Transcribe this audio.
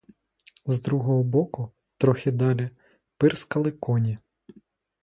З другого боку, трохи далі, пирскали коні.